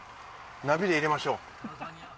ナビで入れましょう。